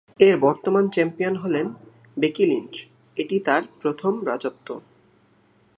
এর বর্তমান চ্যাম্পিয়ন হলেন বেকি লিঞ্চ, এটি তার প্রথম রাজত্ব।